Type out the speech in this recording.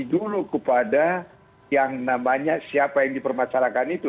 dulu kepada yang namanya siapa yang dipermasalahkan itu